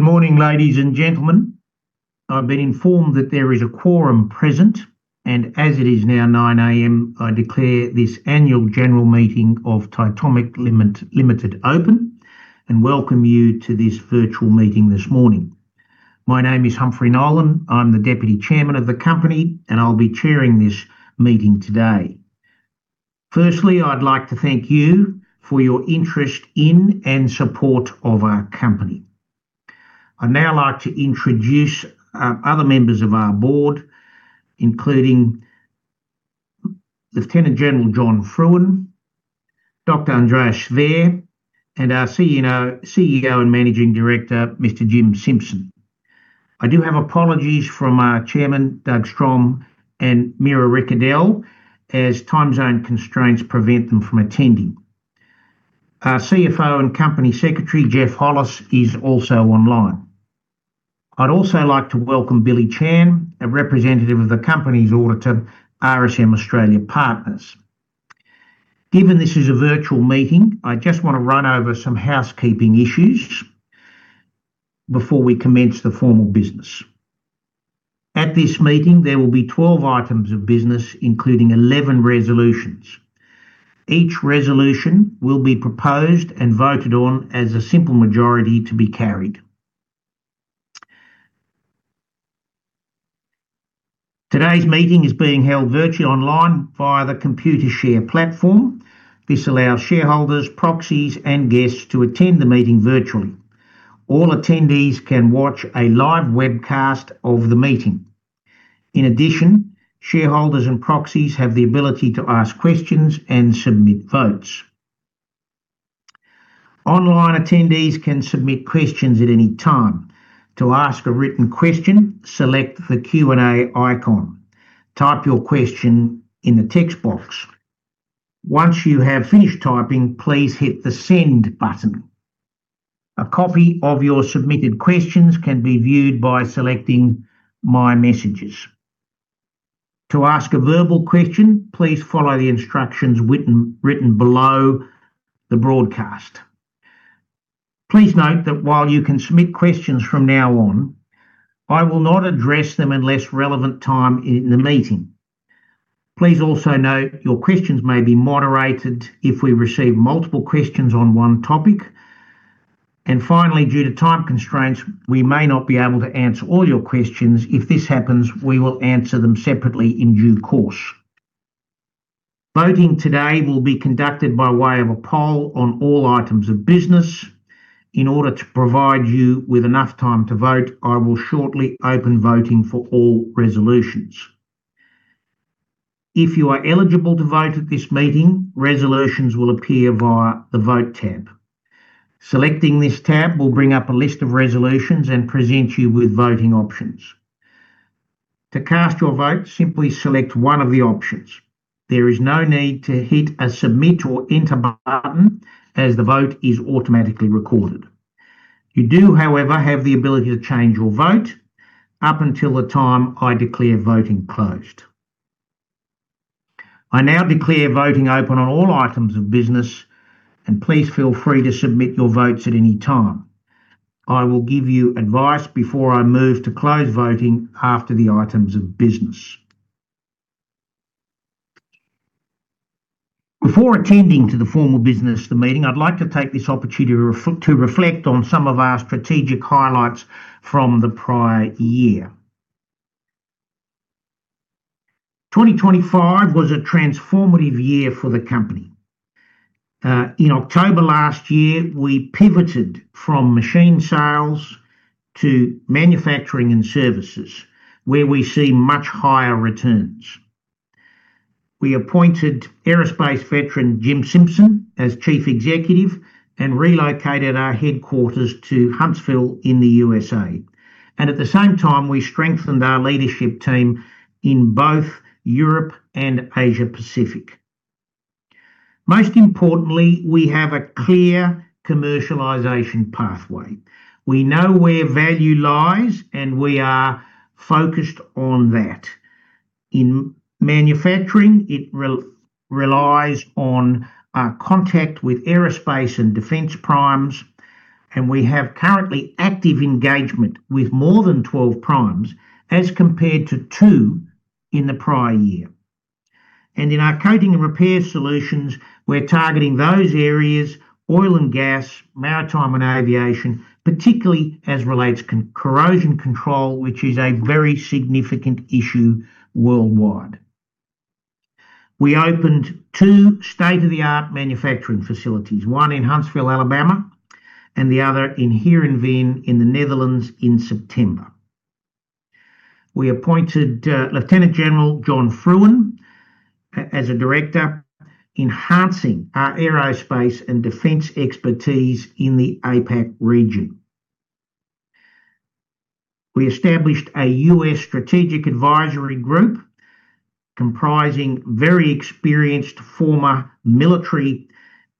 Good morning, ladies and gentlemen. I've been informed that there is a quorum present, and as it is now 9:00 A.M., I declare this annual general meeting of Titomic Limited open and welcome you to this virtual meeting this morning. My name is Humphrey Nolan. I'm the Deputy Chairman of the company, and I'll be chairing this meeting today. Firstly, I'd like to thank you for your interest in and support of our company. I'd now like to introduce other members of our Board, including Lieutenant General John Frewen, Dr. Andreas Schwer, and our CEO and Managing Director, Mr. Jim Simpson. I do have apologies from our Chairman, Dag Stromme, and Mira Ricardel, as time zone constraints prevent them from attending. Our CFO and Company Secretary, Geoff Hollis, is also online. I'd also like to welcome Billy Chan, a representative of the company's auditor, RSM Australia Partners. Given this is a virtual meeting, I just want to run over some housekeeping issues before we commence the formal business. At this meeting, there will be 12 items of business, including 11 resolutions. Each resolution will be proposed and voted on as a simple majority to be carried. Today's meeting is being held virtually online via the Computershare platform. This allows shareholders, proxies, and guests to attend the meeting virtually. All attendees can watch a live webcast of the meeting. In addition, shareholders and proxies have the ability to ask questions and submit votes. Online attendees can submit questions at any time. To ask a written question, select the Q&A icon. Type your question in the text box. Once you have finished typing, please hit the Send button. A copy of your submitted questions can be viewed by selecting My Messages. To ask a verbal question, please follow the instructions written below the broadcast. Please note that while you can submit questions from now on, I will not address them unless relevant time in the meeting. Please also note your questions may be moderated if we receive multiple questions on one topic. Finally, due to time constraints, we may not be able to answer all your questions. If this happens, we will answer them separately in due course. Voting today will be conducted by way of a poll on all items of business. In order to provide you with enough time to vote, I will shortly open voting for all resolutions. If you are eligible to vote at this meeting, resolutions will appear via the Vote tab. Selecting this tab will bring up a list of resolutions and present you with voting options. To cast your vote, simply select one of the options. There is no need to hit a Submit or Enter button, as the vote is automatically recorded. You do, however, have the ability to change your vote up until the time I declare voting closed. I now declare voting open on all items of business, and please feel free to submit your votes at any time. I will give you advice before I move to close voting after the items of business. Before attending to the formal business of the meeting, I'd like to take this opportunity to reflect on some of our strategic highlights from the prior year. 2025 was a transformative year for the company. In October last year, we pivoted from machine sales to manufacturing and services, where we see much higher returns. We appointed aerospace veteran Jim Simpson as Chief Executive and relocated our headquarters to Huntsville in the U.S.A. At the same time, we strengthened our leadership team in both Europe and Asia-Pacific. Most importantly, we have a clear commercialization pathway. We know where value lies, and we are focused on that. In manufacturing, it relies on our contact with aerospace and defense primes, and we have currently active engagement with more than 12 primes as compared to 2 in the prior year. In our coating and repair solutions, we're targeting those areas: oil and gas, maritime and aviation, particularly as relates to corrosion control, which is a very significant issue worldwide. We opened two state-of-the-art manufacturing facilities, one in Huntsville, Alabama, and the other in Heerenveen in the Netherlands in September. We appointed Lieutenant General John Frewen as a Director, enhancing our aerospace and defense expertise in the APAC region. We established a U.S. Strategic Advisory Group comprising very experienced former military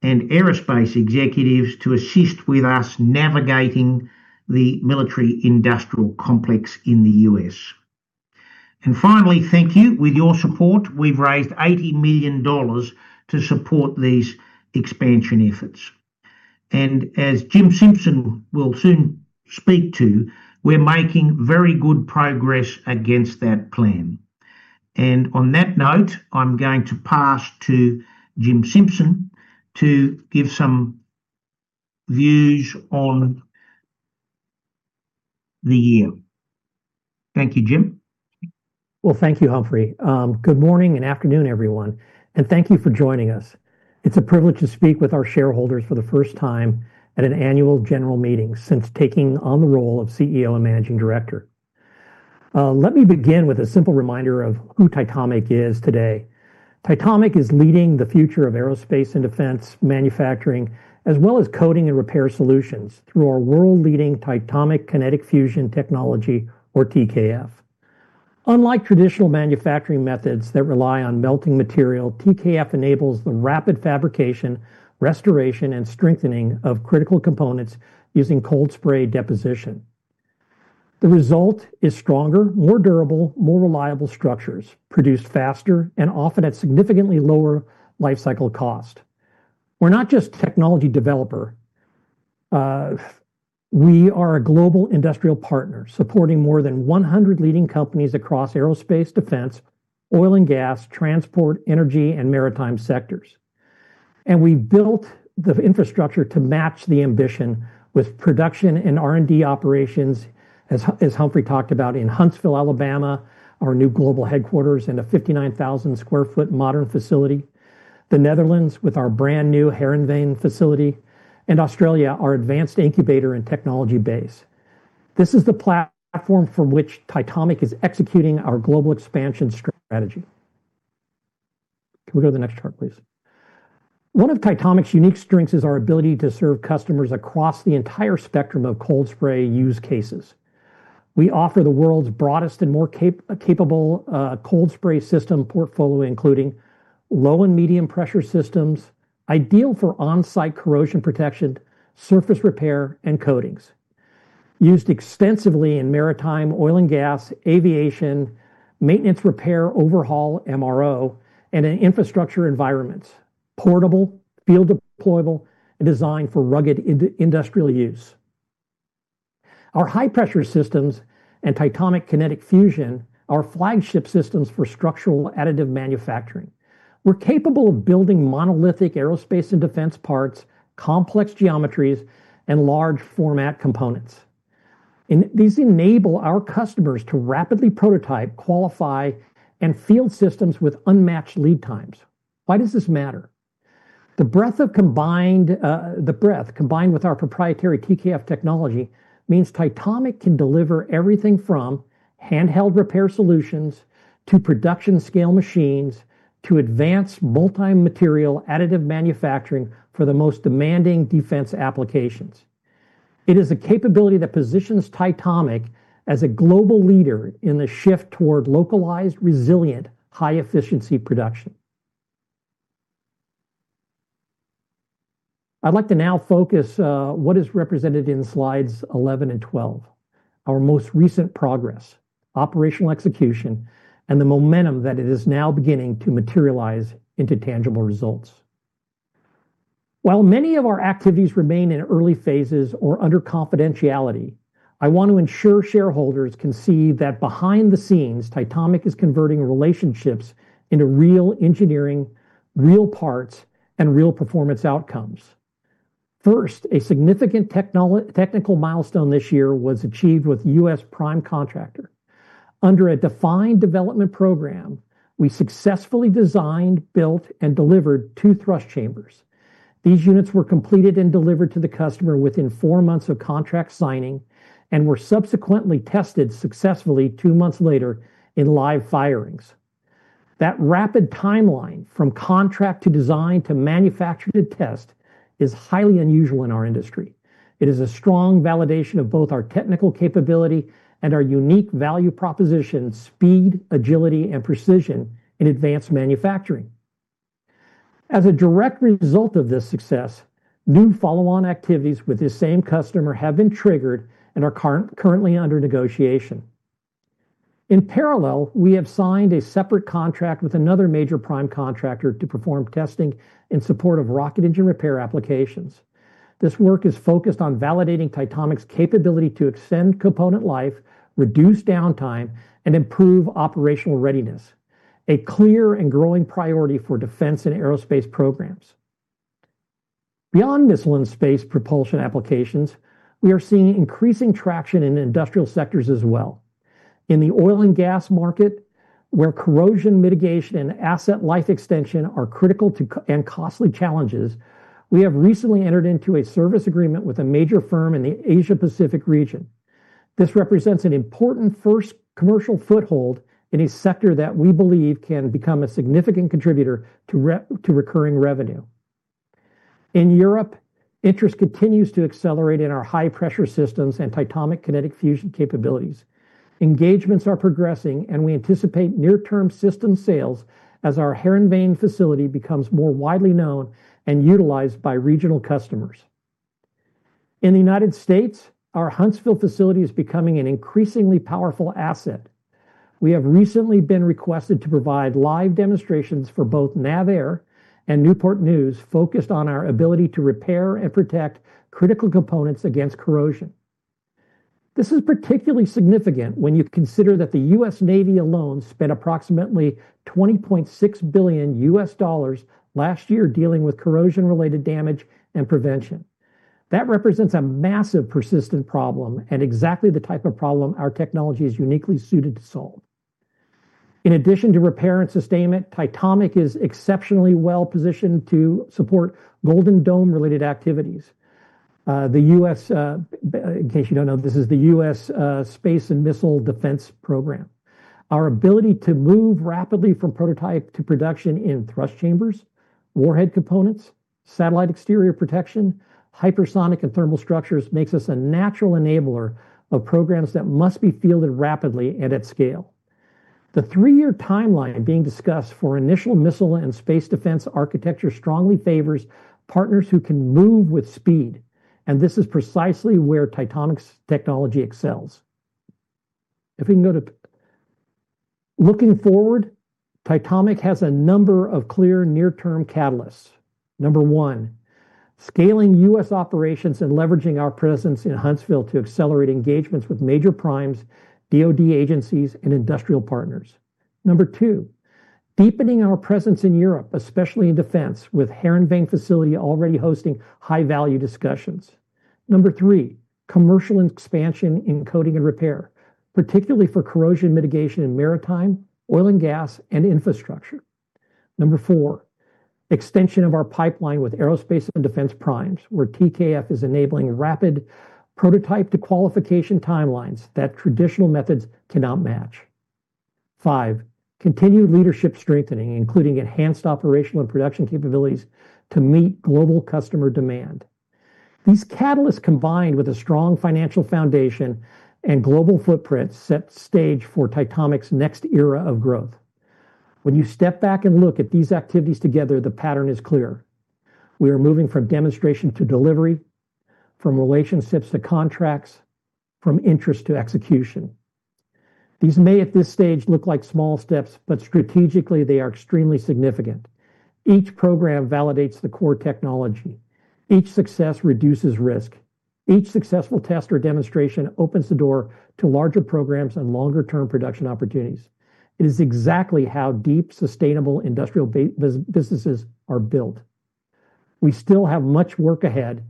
and aerospace executives to assist with us navigating the military-industrial complex in the U.S. Finally, thank you. With your support, we've raised 80 million dollars to support these expansion efforts. As Jim Simpson will soon speak to, we're making very good progress against that plan. On that note, I'm going to pass to Jim Simpson to give some views on the year. Thank you, Jim. Thank you, Humphrey. Good morning and afternoon, everyone, and thank you for joining us. It's a privilege to speak with our shareholders for the first time at an annual general meeting since taking on the role of CEO and Managing Director. Let me begin with a simple reminder of who Titomic is today. Titomic is leading the future of aerospace and defence manufacturing, as well as coating and repair solutions through our world-leading Titomic Kinetic Fusion technology, or TKF. Unlike traditional manufacturing methods that rely on melting material, TKF enables the rapid fabrication, restoration, and strengthening of critical components using cold spray deposition. The result is stronger, more durable, more reliable structures produced faster and often at significantly lower life cycle cost. We're not just a technology developer. We are a global industrial partner supporting more than 100 leading companies across aerospace, defence, oil and gas, transport, energy, and maritime sectors. We have built the infrastructure to match the ambition with production and R&D operations, as Humphrey talked about, in Huntsville, Alabama, our new global headquarters and a 59,000 sq ft modern facility, the Netherlands with our brand new Heerenveen facility, and Australia, our advanced incubator and technology base. This is the platform from which Titomic is executing our global expansion strategy. Can we go to the next chart, please? One of Titomic's unique strengths is our ability to serve customers across the entire spectrum of cold spray use cases. We offer the world's broadest and more capable cold spray system portfolio, including low and medium pressure systems ideal for on-site corrosion protection, surface repair, and coatings. Used extensively in maritime, oil and gas, aviation, maintenance repair, overhaul, MRO, and in infrastructure environments, portable, field-deployable, and designed for rugged industrial use. Our high-pressure systems and Titomic Kinetic Fusion are flagship systems for structural additive manufacturing. We're capable of building monolithic aerospace and defence parts, complex geometries, and large-format components. These enable our customers to rapidly prototype, qualify, and field systems with unmatched lead times. Why does this matter? The breadth of combined with our proprietary TKF technology means Titomic can deliver everything from handheld repair solutions to production-scale machines to advanced multi-material additive manufacturing for the most demanding defense applications. It is a capability that positions Titomic as a global leader in the shift toward localized, resilient, high-efficiency production. I'd like to now focus on what is represented in slides 11 and 12, our most recent progress, operational execution, and the momentum that it is now beginning to materialize into tangible results. While many of our activities remain in early phases or under confidentiality, I want to ensure shareholders can see that behind the scenes, Titomic is converting relationships into real engineering, real parts, and real performance outcomes. First, a significant technical milestone this year was achieved with U.S. prime contractor. Under a defined development program, we successfully designed, built, and delivered two thrust chambers. These units were completed and delivered to the customer within four months of contract signing and were subsequently tested successfully two months later in live firings. That rapid timeline from contract to design to manufacture to test is highly unusual in our industry. It is a strong validation of both our technical capability and our unique value proposition, speed, agility, and precision in advanced manufacturing. As a direct result of this success, new follow-on activities with this same customer have been triggered and are currently under negotiation. In parallel, we have signed a separate contract with another major prime contractor to perform testing in support of rocket engine repair applications. This work is focused on validating Titomic's capability to extend component life, reduce downtime, and improve operational readiness, a clear and growing priority for defence and aerospace programs. Beyond missile and space propulsion applications, we are seeing increasing traction in industrial sectors as well. In the oil and gas market, where corrosion mitigation and asset life extension are critical and costly challenges, we have recently entered into a service agreement with a major firm in the Asia-Pacific region. This represents an important first commercial foothold in a sector that we believe can become a significant contributor to recurring revenue. In Europe, interest continues to accelerate in our high-pressure systems and Titomic Kinetic Fusion capabilities. Engagements are progressing, and we anticipate near-term system sales as our Heerenveen facility becomes more widely known and utilized by regional customers. In the United States, our Huntsville facility is becoming an increasingly powerful asset. We have recently been requested to provide live demonstrations for both NAVAIR and Newport News focused on our ability to repair and protect critical components against corrosion. This is particularly significant when you consider that the U.S. Navy alone spent approximately $20.6 billion last year dealing with corrosion-related damage and prevention. That represents a massive persistent problem and exactly the type of problem our technology is uniquely suited to solve. In addition to repair and sustainment, Titomic is exceptionally well positioned to support Golden Dome-related activities. In case you do not know, this is the U.S. Space and Missile Defense Program. Our ability to move rapidly from prototype to production in thrust chambers, warhead components, satellite exterior protection, hypersonic, and thermal structures makes us a natural enabler of programs that must be fielded rapidly and at scale. The three-year timeline being discussed for initial missile and space defense architecture strongly favors partners who can move with speed, and this is precisely where Titomic's technology excels. If we can go to looking forward, Titomic has a number of clear near-term catalysts. Number one, scaling U.S. operations and leveraging our presence in Huntsville to accelerate engagements with major primes, DOD agencies, and industrial partners. Number two, deepening our presence in Europe, especially in defense, with Heerenveen facility already hosting high-value discussions. Number three, commercial expansion in coating and repair, particularly for corrosion mitigation in maritime, oil and gas, and infrastructure. Number four, extension of our pipeline with aerospace and defence primes, where TKF is enabling rapid prototype to qualification timelines that traditional methods cannot match. Five, continued leadership strengthening, including enhanced operational and production capabilities to meet global customer demand. These catalysts combined with a strong financial foundation and global footprint set stage for Titomic's next era of growth. When you step back and look at these activities together, the pattern is clear. We are moving from demonstration to delivery, from relationships to contracts, from interest to execution. These may at this stage look like small steps, but strategically they are extremely significant. Each program validates the core technology. Each success reduces risk. Each successful test or demonstration opens the door to larger programs and longer-term production opportunities. It is exactly how deep sustainable industrial businesses are built. We still have much work ahead,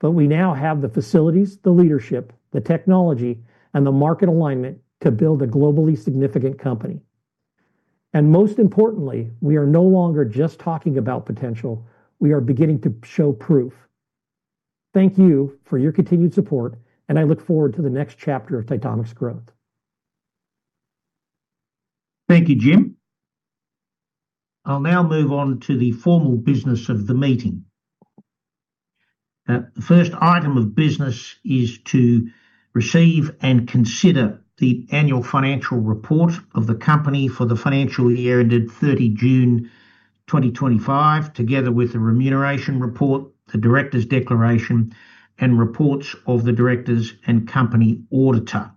but we now have the facilities, the leadership, the technology, and the market alignment to build a globally significant company. Most importantly, we are no longer just talking about potential. We are beginning to show proof. Thank you for your continued support, and I look forward to the next chapter of Titomic's growth. Thank you, Jim. I'll now move on to the formal business of the meeting. The first item of business is to receive and consider the Annual Financial Report of the company for the financial year ended 30 June 2025, together with the Remuneration Report, the Director's Declaration, and reports of the Directors and company Auditor.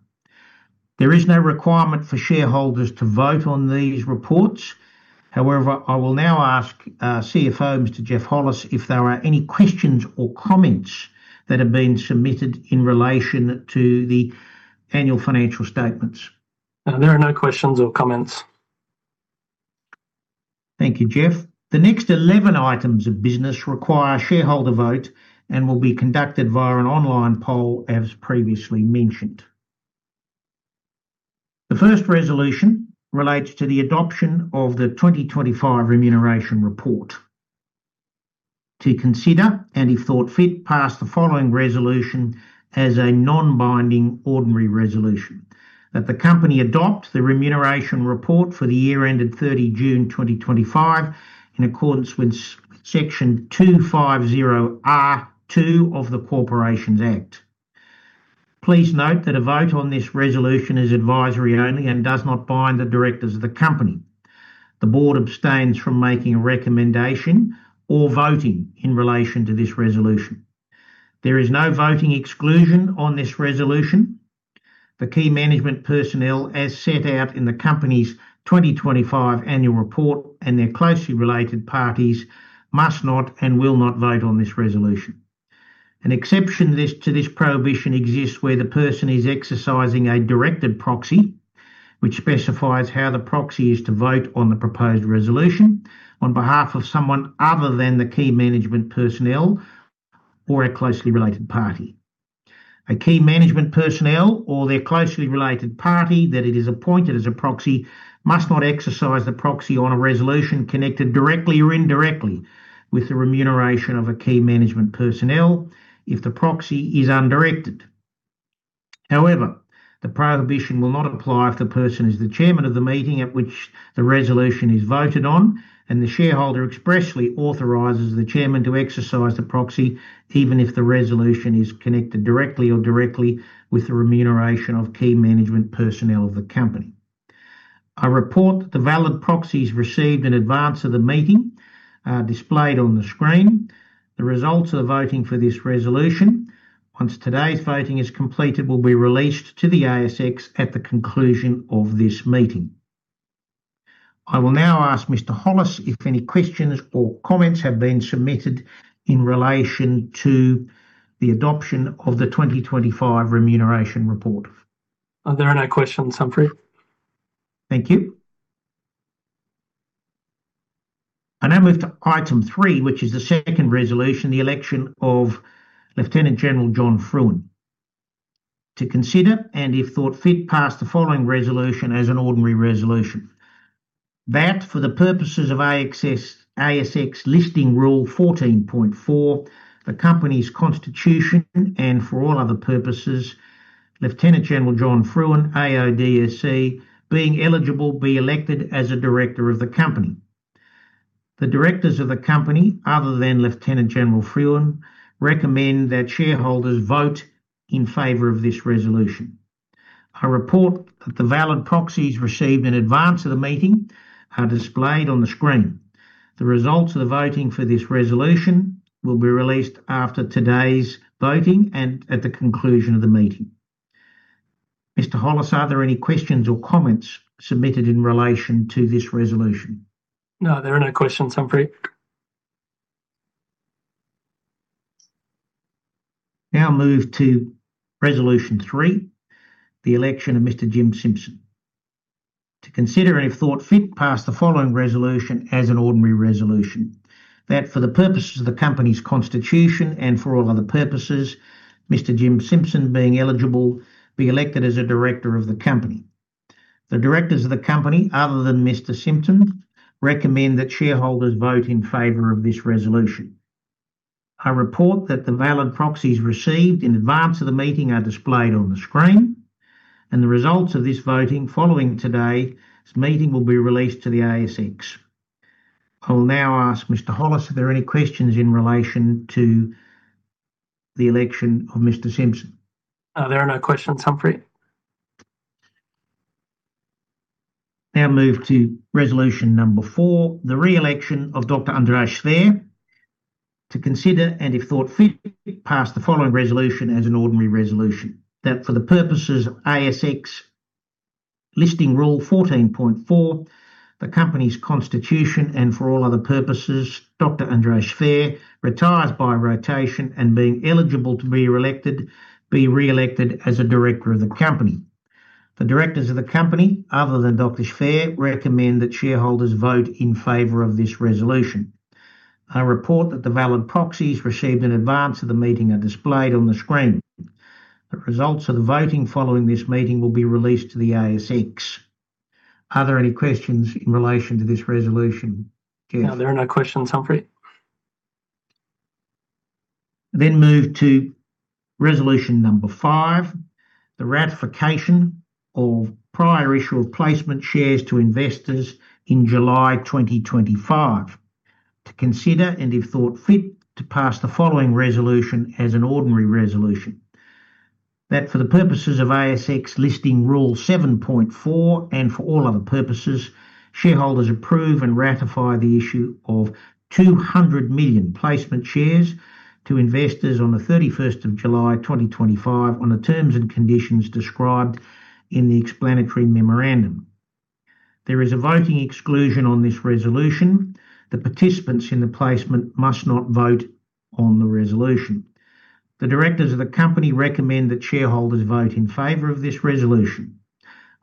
There is no requirement for shareholders to vote on these reports. However, I will now ask CFO Mr. Geoff Hollis if there are any questions or comments that have been submitted in relation to the annual financial statements. There are no questions or comments. Thank you, Geoff. The next 11 items of business require shareholder vote and will be conducted via an online poll, as previously mentioned. The first resolution relates to the adoption of the 2025 Remuneration Report. To consider, and if thought fit, pass the following resolution as a non-binding ordinary resolution: that the company adopt the Remuneration Report for the year ended 30 June 2025 in accordance with Section 250R(2) of the Corporations Act. Please note that a vote on this resolution is advisory only and does not bind the Directors of the company. The Board abstains from making a recommendation or voting in relation to this resolution. There is no voting exclusion on this resolution. The key management personnel, as set out in the company's 2025 annual report and their closely related parties, must not and will not vote on this resolution. An exception to this prohibition exists where the person is exercising a directed proxy, which specifies how the proxy is to vote on the proposed resolution on behalf of someone other than the key management personnel or a closely related party. A key management personnel or their closely related party that is appointed as a proxy must not exercise the proxy on a resolution connected directly or indirectly with the remuneration of a key management personnel if the proxy is undirected. However, the prohibition will not apply if the person is the chairman of the meeting at which the resolution is voted on and the shareholder expressly authorizes the chairman to exercise the proxy, even if the resolution is connected directly or indirectly with the remuneration of key management personnel of the company. I report that the valid proxies received in advance of the meeting are displayed on the screen. The results of the voting for this resolution, once today's voting is completed, will be released to the ASX at the conclusion of this meeting. I will now ask Mr. Hollis if any questions or comments have been submitted in relation to the adoption of the 2025 Remuneration Report. There are no questions Humphrey. Thank you. I now move to item three, which is the second resolution, the election of Lieutenant General John Frewen. To consider and if thought fit, pass the following resolution as an ordinary resolution: that for the purposes of ASX Listing Rule 14.4, the company's constitution and for all other purposes, Lieutenant General John Frewen, AO DSC, being eligible, be elected as a Director of the company. The Directors of the company, other than Lieutenant General Frewen, recommend that shareholders vote in favor of this resolution. I report that the valid proxies received in advance of the meeting are displayed on the screen. The results of the voting for this resolution will be released after today's voting and at the conclusion of the meeting. Mr. Hollis, are there any questions or comments submitted in relation to this resolution? No, there are no questions Humphrey. Now move to resolution three, the election of Mr. Jim Simpson. To consider and if thought fit, pass the following resolution as an ordinary resolution: that for the purposes of the company's constitution and for all other purposes, Mr. Jim Simpson being eligible, be elected as a Director of the company. The Directors of the company, other than Mr. Simpson, recommend that shareholders vote in favor of this resolution. I report that the valid proxies received in advance of the meeting are displayed on the screen, and the results of this voting following today's meeting will be released to the ASX. I will now ask Mr. Hollis, are there any questions in relation to the election of Mr. Simpson? There are no questions Humphrey. Now move to resolution number four, the re-election of Dr. Andreas Schwer. To consider and if thought fit, pass the following resolution as an ordinary resolution: that for the purposes of ASX Listing Rule 14.4, the company's constitution and for all other purposes, Dr. Andreas Schwer retires by rotation and being eligible to be re-elected as a Director of the company. The Directors of the company, other than Dr. Schwer, recommend that shareholders vote in favor of this resolution. I report that the valid proxies received in advance of the meeting are displayed on the screen. The results of the voting following this meeting will be released to the ASX. Are there any questions in relation to this resolution, Geoff? No, there are no questions Humphrey. We move to resolution number five, the ratification of prior issue of Placement Shares to investors in July 2025. To consider and if thought fit, to pass the following resolution as an ordinary resolution: that for the purposes of ASX Listing Rule 7.4 and for all other purposes, shareholders approve and ratify the issue of 200 million Placement Shares to investors on the 31st of July 2025, on the terms and conditions described in the Explanatory Memorandum. There is a voting exclusion on this resolution. The participants in the placement must not vote on the resolution. The Directors of the company recommend that shareholders vote in favor of this resolution.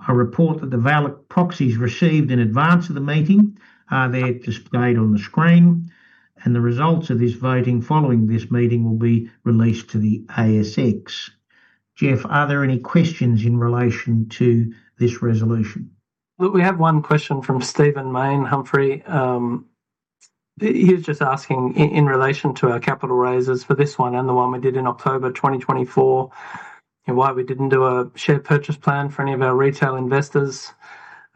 I report that the valid proxies received in advance of the meeting are there displayed on the screen, and the results of this voting following this meeting will be released to the ASX. Geoff, are there any questions in relation to this resolution? Look, we have one question from Stephen Mayne, Humphrey. He's just asking in relation to our capital raises for this one and the one we did in October 2024, why we didn't do a share purchase plan for any of our retail investors.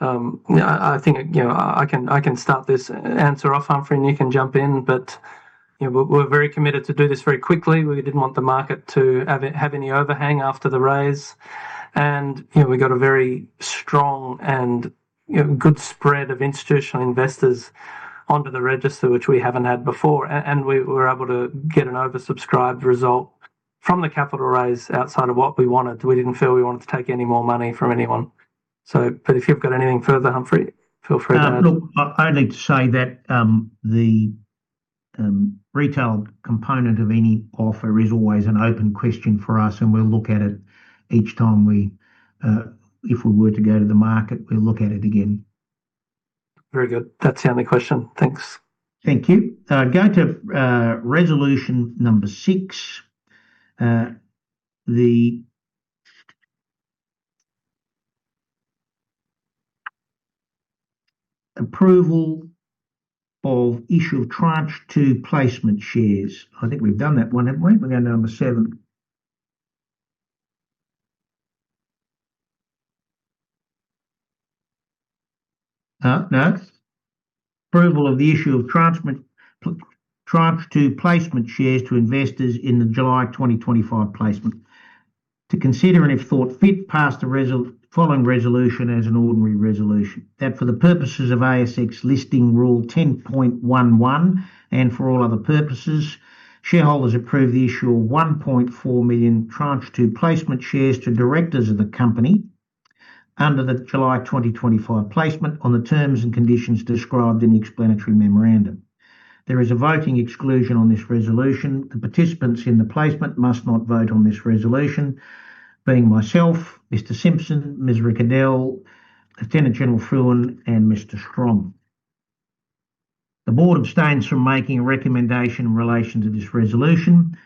I think I can start this answer off. I'm free. And you can jump in. We are very committed to do this very quickly. We didn't want the market to have any overhang after the raise. We got a very strong and good spread of institutional investors onto the register, which we haven't had before. We were able to get an oversubscribed result from the capital raise outside of what we wanted. We didn't feel we wanted to take any more money from anyone. If you've got anything further, I'm free. Feel free to add it. I'd like to say that the retail component of any offer is always an open question for us, and we'll look at it each time if we were to go to the market. We'll look at it again. Very good. That's the only question. Thanks. Thank you. Going to resolution number six, the approval of issue of tranche two Placement Shares. I think we've done that one, haven't we? We're going to number seven. No. Approval of the issue of tranche two Placement Shares to investors in the July 2025 placement. To consider and if thought fit, pass the following resolution as an ordinary resolution: that for the purposes of ASX Listing Rule 10.11 and for all other purposes, shareholders approve the issue of 1.4 million tranche two placement shares to Directors of the company under the July 2025 placement on the terms and conditions described in the Explanatory Memorandum. There is a voting exclusion on this resolution. The participants in the placement must not vote on this resolution, being myself, Mr. Simpson, Ms. Ricardel, Lieutenant General Frewen, and Mr. Stromme. The Board abstains from making a recommendation in relation to this resolution.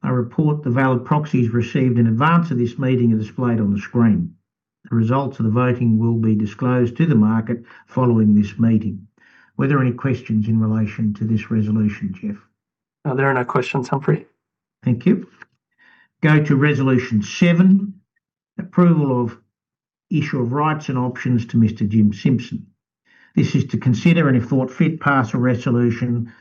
I report the valid proxies received in advance of this meeting are displayed on the screen. The results of the voting will be disclosed to the market following this meeting. Were there any questions in relation to this resolution, Geoff? There are no questions Humphrey. Thank you. Go to resolution seven, approval of issue of rights and options to Mr. Jim Simpson. This is to consider and if thought fit, pass a resolution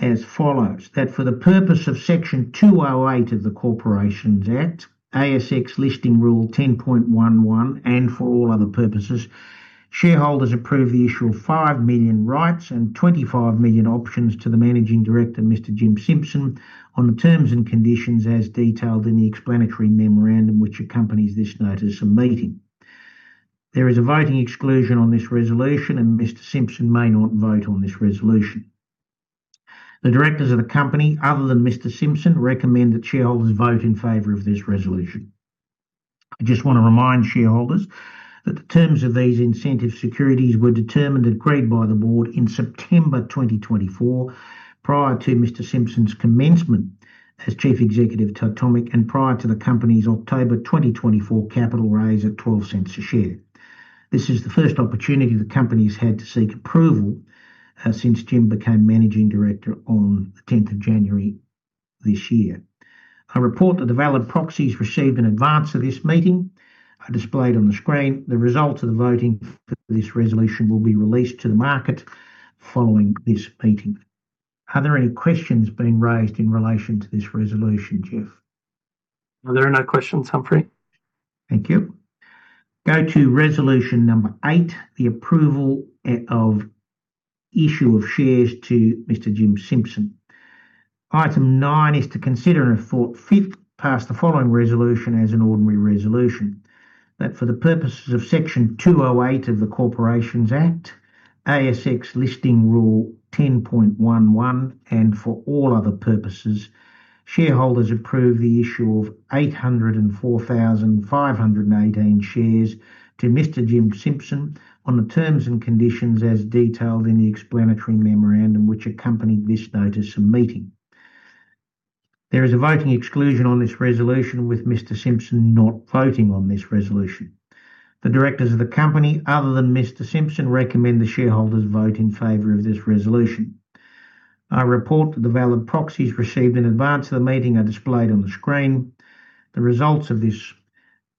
as follows: that for the purpose of Section 208 of the Corporations Act, ASX Listing Rule 10.11 and for all other purposes, shareholders approve the issue of 5 million rights and 25 million options to the Managing Director, Mr. Jim Simpson, on the terms and conditions as detailed in the Explanatory Memorandum which accompanies this Notice of Meeting. There is a voting exclusion on this resolution, and Mr. Simpson may not vote on this resolution. The Directors of the company, other than Mr. Simpson, recommend that shareholders vote in favor of this resolution. I just want to remind shareholders that the terms of these incentive securities were determined and agreed by the Board in September 2024, prior to Mr. Simpson's commencement as Chief Executive of Titomic and prior to the company's October 2024 capital raise at 0.12 a share. This is the first opportunity the company has had to seek approval since Jim became Managing Director on the 10th of January this year. I report that the valid proxies received in advance of this meeting are displayed on the screen. The results of the voting for this resolution will be released to the market following this meeting. Are there any questions being raised in relation to this resolution, Geoff? There are no questions Humphrey. Thank you. Go to resolution number eight, the approval of issue of shares to Mr. Jim Simpson. Item nine is to consider and if thought fit, pass the following resolution as an ordinary resolution: that for the purposes of Section 208 of the Corporations Act, ASX Listing Rule 10.11 and for all other purposes, shareholders approve the issue of 804,518 shares to Mr. Jim Simpson on the terms and conditions as detailed in the Explanatory Memorandum which accompanied this Notice of Meeting. There is a voting exclusion on this resolution with Mr. Simpson not voting on this resolution. The Directors of the company, other than Mr. Simpson, recommend the shareholders vote in favor of this resolution. I report that the valid proxies received in advance of the meeting are displayed on the screen. The results of this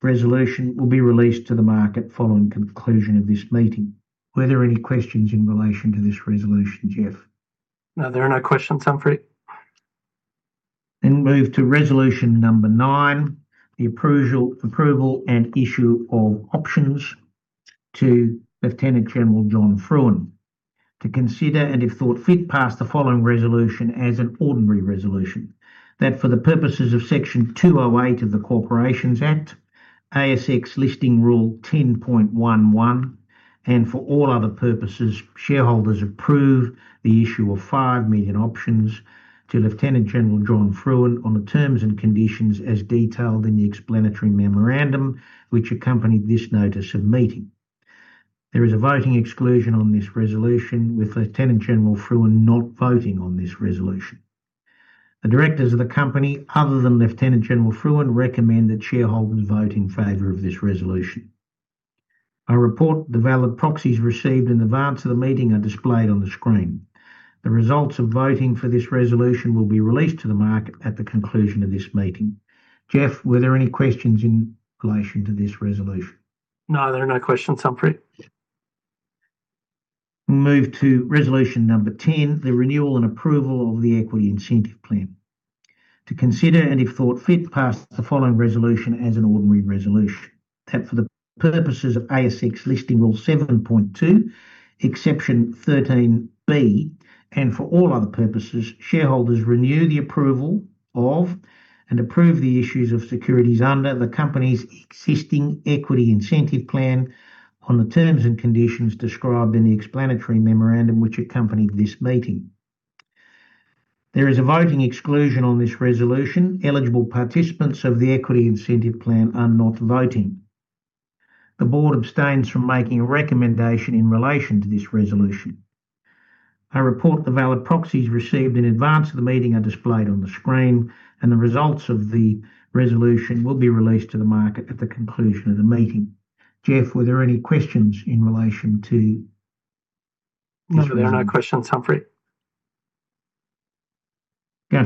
resolution will be released to the market following conclusion of this meeting. Were there any questions in relation to this resolution, Geoff? No, there are no questions Humphrey. Move to resolution number nine, the approval and issue of options to Lieutenant General John Frewen. To consider and if thought fit, pass the following resolution as an ordinary resolution: that for the purposes of Section 208 of the Corporations Act, ASX Listing Rule 10.11 and for all other purposes, shareholders approve the issue of 5 million options to Lieutenant General John Frewen on the terms and conditions as detailed in the Explanatory Memorandum which accompanied this Notice of Meeting. There is a voting exclusion on this resolution with Lieutenant General John Frewen not voting on this resolution. The Directors of the company, other than Lieutenant General John Frewen, recommend that shareholders vote in favor of this resolution. I report the valid proxies received in advance of the meeting are displayed on the screen. The results of voting for this resolution will be released to the market at the conclusion of this meeting. Geoff, were there any questions in relation to this resolution? No, there are no questions Humphrey. Move to resolution number ten, the renewal and approval of the equity incentive plan. To consider and if thought fit, pass the following resolution as an ordinary resolution: that for the purposes of ASX Listing Rule 7.2, Exception 13(b) and for all other purposes, shareholders renew the approval of and approve the issues of securities under the company's existing equity incentive plan on the terms and conditions described in the Explanatory Memorandum which accompanied this meeting. There is a voting exclusion on this resolution. Eligible participants of the equity incentive plan are not voting. The Board abstains from making a recommendation in relation to this resolution. I report the valid proxies received in advance of the meeting are displayed on the screen, and the results of the resolution will be released to the market at the conclusion of the meeting. Geoff, were there any questions in relation to this? No, there are no questions Humphrey.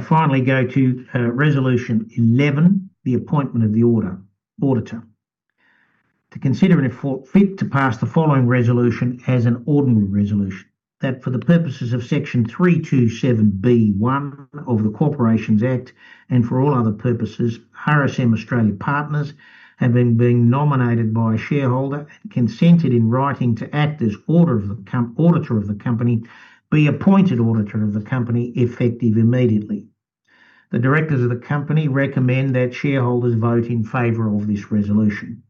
Finally, go to resolution 11, the appointment of the auditor. To consider and if thought fit, to pass the following resolution as an ordinary resolution: that for the purposes of Section 327B(1) of the Corporations Act and for all other purposes, RSM Australia Partners having been nominated by a shareholder and consented in writing to act as auditor of the company, be appointed Auditor of the company effective immediately. The Directors of the company recommend that shareholders vote in favor of this resolution.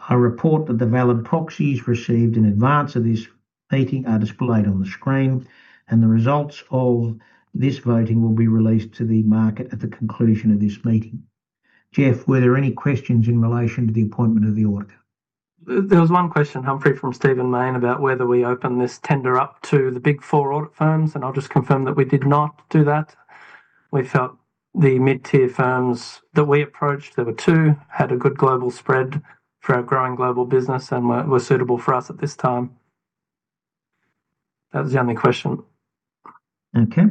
I report that the valid proxies received in advance of this meeting are displayed on the screen, and the results of this voting will be released to the market at the conclusion of this meeting. Geoff, were there any questions in relation to the appointment of the auditor? There was one question Humphrey from Stephen Mayne about whether we open this tender up to the big four audit firms, and I'll just confirm that we did not do that. We felt the mid-tier firms that we approached, there were two, had a good global spread for our growing global business and were suitable for us at this time. That was the only question. Okay.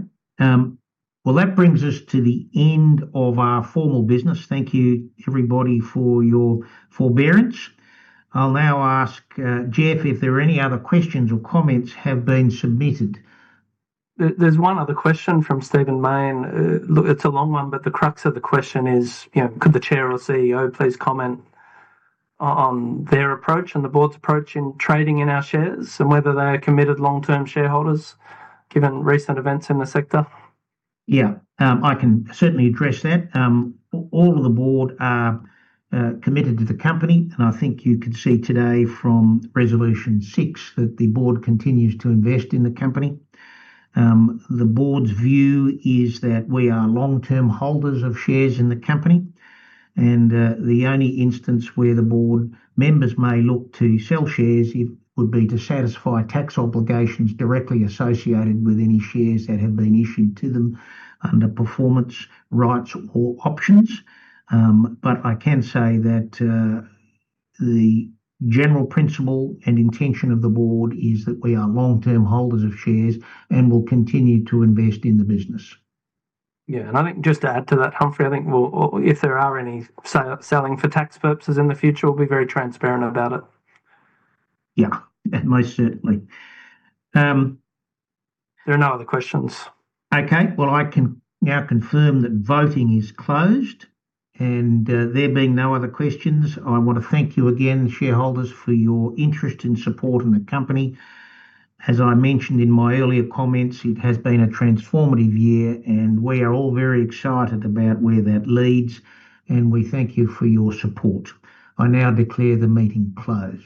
That brings us to the end of our formal business. Thank you, everybody, for your forbearance. I'll now ask Geoff if there are any other questions or comments that have been submitted. There's one other question from Stephen Mayne. It's a long one, but the crux of the question is, could the Chair or CEO please comment on their approach and the Board's approach in trading in our shares and whether they are committed long-term shareholders given recent events in the sector? Yeah, I can certainly address that. All of the Board are committed to the company, and I think you can see today from resolution six that the Board continues to invest in the company. The Board's view is that we are long-term holders of shares in the company, and the only instance where the Board members may look to sell shares would be to satisfy tax obligations directly associated with any shares that have been issued to them under performance rights or options. I can say that the general principle and intention of the Board is that we are long-term holders of shares and will continue to invest in the business. Yeah. I think just to add to that Humphrey. I think if there are any selling for tax purposes in the future, we'll be very transparent about it. Yeah, most certainly. There are no other questions. Okay. I can now confirm that voting is closed, and there being no other questions, I want to thank you again, shareholders, for your interest and support in the company. As I mentioned in my earlier comments, it has been a transformative year, and we are all very excited about where that leads, and we thank you for your support. I now declare the meeting closed.